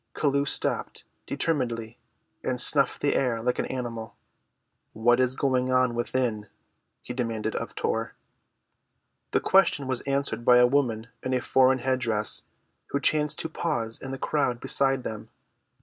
Chelluh stopped determinedly and snuffed the air like an animal. "What is going on within?" he demanded of Tor. The question was answered by a woman in a foreign head‐dress who chanced to pause in the crowd beside them.